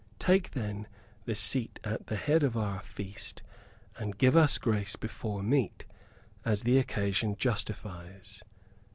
Take, then, the seat at the head of our feast and give us grace before meat, as the occasion justifies."